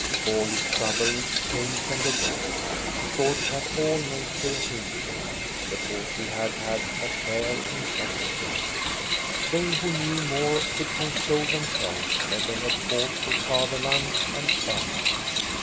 All his trouble came from the war. He thought that all nature hated him, because he had had a share in such things. They who knew more could console themselves that they had fought for fatherland and honor.